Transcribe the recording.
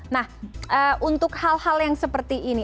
nah untuk hal hal yang seperti ini